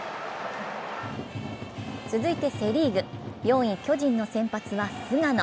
続いてセ・リーグ４位、巨人の先発は菅野。